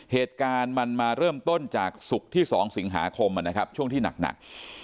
เหตุการณ์มันมาเริ่มต้นจากศุกร์ที่๒สิงหาคมนะครับช่วงที่หนัก